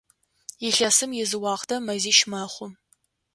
Илъэсым изыуахътэ мэзищ мэхъу.